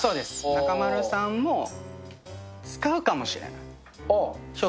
中丸さんも使うかもしれない。